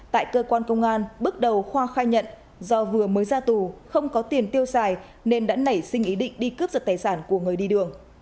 tại cơ quan công an bước đầu khoa khai nhận do vừa mới ra tù không có tiền tiêu xài nên đã nảy sinh ý định đi cướp giật tài sản của người đi đường